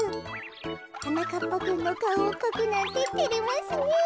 はなかっぱくんのかおをかくなんててれますねえ。